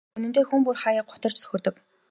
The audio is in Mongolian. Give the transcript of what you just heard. Үнэндээ хүн бүр хааяа гутарч цөхөрдөг.